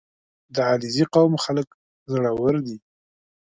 • د علیزي قوم خلک زړور دي.